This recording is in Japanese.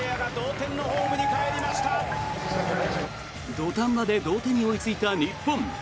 土壇場で同点に追いついた日本。